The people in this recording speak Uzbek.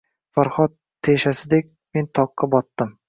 Farhod teshasidek men toqqa botdim.